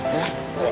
これ。